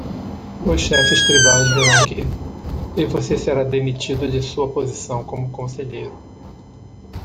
Os chefes tribais verão que? e você será demitido de sua posição como conselheiro.